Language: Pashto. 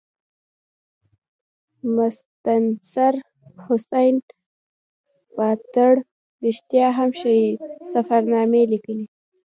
مستنصر حسین تارړ رښتیا هم ښې سفرنامې لیکلي.